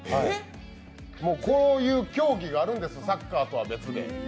こういう競技があるんです、サッカーとは別で。